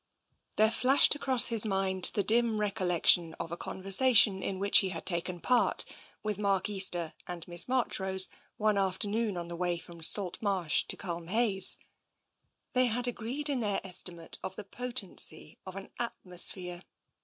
There flashed across his mind the dim recollection of a conversation in which he had taken part, with Mark Easter and Miss Marchrose, one afternoon on the way from Salt Marsh to Culmhayes. They had agreed in their estimate of the potency of an atmosphere.